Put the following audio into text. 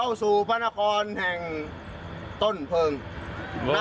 อ้าวจากไหนเนี่ย